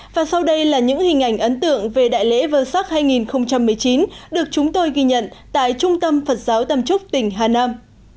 và sau đây là những hình ảnh ấn tượng về đại lễ vơ sắc hai nghìn một mươi chín được chúng tôi ghi nhận tại trung tâm phật giáo tâm trúc tỉnh hà nam